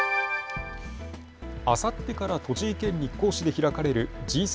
あさってから栃木県日光市で開かれるＧ７